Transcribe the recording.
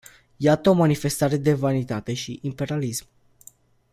Iată o manifestare de vanitate și imperialism!